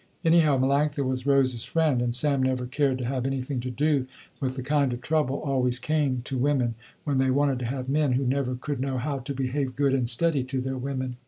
Anyhow Melanctha was Rose's friend, and Sam never cared to have anything to do with the kind of trouble always came to women, when they wanted to have men, who never could know how to behave good and steady to their women.